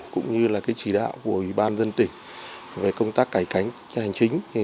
cũng như là chỉ đạo của ủy ban dân tỉnh về công tác cải cánh hành chính